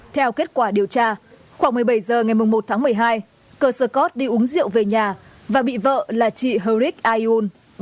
theo kết quả điều tra khoảng một mươi bảy h ngày một tháng một mươi hai cơ sở cót đi uống rượu về nhà và bị vợ là chị hric ayun